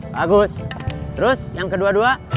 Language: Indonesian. bagus terus yang kedua dua